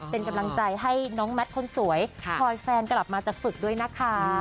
เป็นกำลังใจให้น้องแมทคนสวยคอยแฟนกลับมาจากฝึกด้วยนะคะ